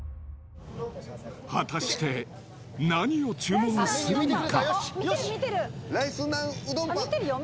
果たして、何を注文するのか。